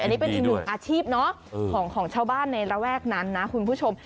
อันนี้เป็นอีกหนึ่งอาชีพเนาะของชาวบ้านในระแวกนั้นนะคุณผู้ชม